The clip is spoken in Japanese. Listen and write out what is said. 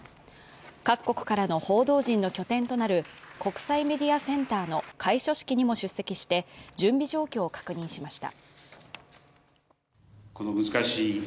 各国からの報道陣の拠点となる国際メディアセンターの開所式にも出席して、準備状況を確認しました。